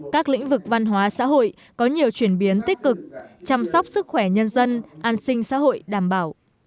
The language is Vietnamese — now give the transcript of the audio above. các lĩnh vực văn hóa xã hội có nhiều chuyển biến tích cực chăm sóc sức khỏe nhân dân an sinh xã hội đảm bảo